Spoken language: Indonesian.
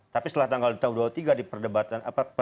tapi setelah tanggal dua puluh tiga di perdebatan